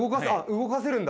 動かせるんだ！